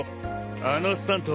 あのスタント